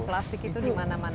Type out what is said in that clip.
plastik itu dimana mana